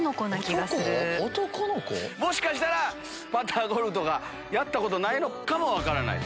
もしかしたらパターゴルフとかやったことないかも分からない。